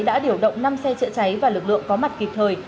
đã điều động năm xe chữa cháy và lực lượng có mặt kịp thời